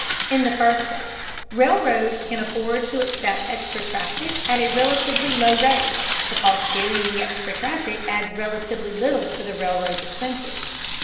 In the first place, railroads can afford to accept extra traffic at a relatively low rate because carrying extra traffic adds relatively little to the railroad's expenses.